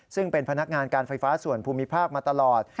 ซึ่งเป็นพนักงานการไฟฟ้าส่วนภูมิภาคมาตลอด